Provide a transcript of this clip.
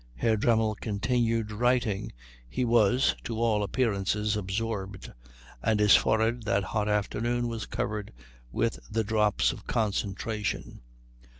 Herr Dremmel continued writing. He was, to all appearances, absorbed; and his forehead, that hot afternoon, was covered with the drops of concentration.